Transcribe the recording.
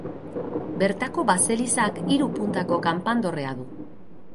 Bertako baselizak hiru puntako kanpandorrea du.